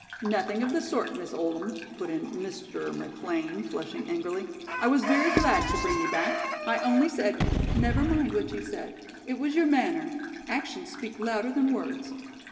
"Nothing of the sort, Miss Oldham," put in "Mr." McLean, flushing angrily. "I was very glad to bring you back. I only said " "Never mind what you said. It was your manner. Actions speak louder than words."